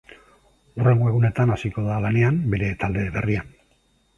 Hurrengo egunetan hasiko da lanean bere talde berrian.